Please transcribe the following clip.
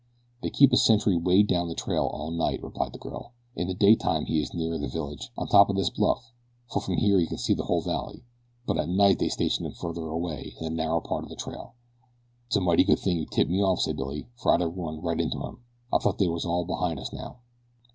"They keep a sentry way down the trail all night," replied the girl. "In the daytime he is nearer the village on the top of this bluff, for from here he can see the whole valley; but at night they station him farther away in a narrow part of the trail." "It's a mighty good thing you tipped me off," said Billy; "for I'd a run right into him. I thought they was all behind us now."